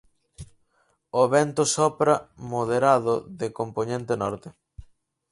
O vento sopra moderado de compoñente norte.